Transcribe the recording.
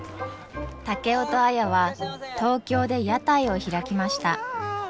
竹雄と綾は東京で屋台を開きました。